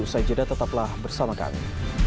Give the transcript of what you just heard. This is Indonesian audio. usai jeda tetaplah bersama kami